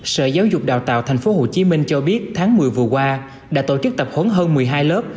sở giáo dục đào tạo tp hcm cho biết tháng một mươi vừa qua đã tổ chức tập huấn hơn một mươi hai lớp